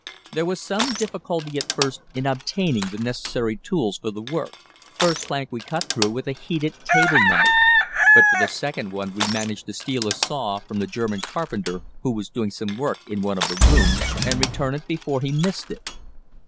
There was some difficulty at first in obtaining the necessary tools for the work. The first plank we cut through with a heated table knife, but for the second one we managed to steal a saw from the German carpenter who was doing some work in one of the rooms, and return it before he missed it.